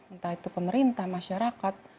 entah itu pemerintah masyarakat